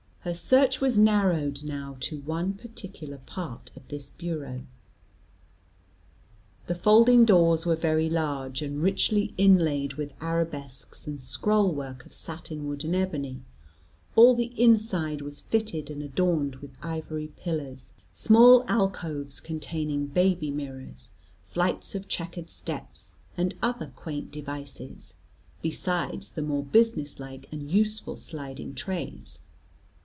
Her search was narrowed now to one particular part of this bureau. The folding doors were very large, and richly inlaid with arabesques and scroll work of satin wood and ebony: all the inside was fitted and adorned with ivory pillars, small alcoves containing baby mirrors, flights of chequered steps, and other quaint devices, besides the more business like and useful sliding trays.